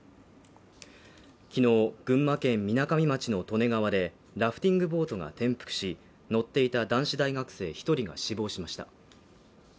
昨日、群馬県みなかみ町の利根川でラフティングボートが転覆し、乗っていた男子大学生１人が死亡しました。